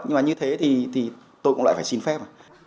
nhưng mà như thế thì tôi cũng lại phải xin phép rồi